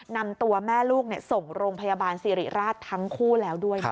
นำตัวแม่ลูกส่งโรงพยาบาลสิริราชทั้งคู่แล้วด้วยนะคะ